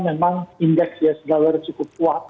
memang indeks ya segala galanya cukup kuat